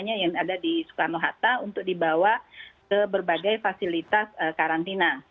yang ada di soekarno hatta untuk dibawa ke berbagai fasilitas karantina